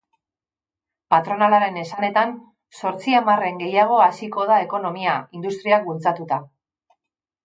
Patronalaren esanetan, zortzi hamarren gehiago haziko da ekonomia, industriak bultzatuta.